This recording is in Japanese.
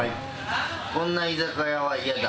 こんな居酒屋はイヤだ。